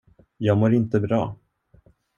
Jag mår inte bra.